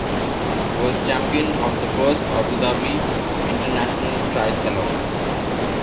He was champion of the first Abu Dhabi International Triathlon.